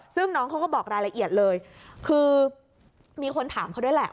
ซึ่งน้องเขาก็บอกรายละเอียดเลยคือมีคนถามเขาด้วยแหละ